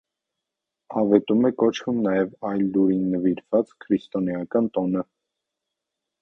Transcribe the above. Ավետում է կոչվում նաև այս լուրին նվիրված քրիստոնեական տոնը։